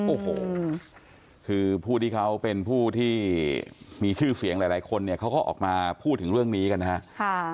โอ้โหคือผู้ที่เขาเป็นผู้ที่มีชื่อเสียงหลายคนเนี่ยเขาก็ออกมาพูดถึงเรื่องนี้กันนะฮะ